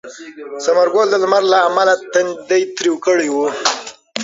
ثمر ګل د لمر له امله تندی تریو کړی و.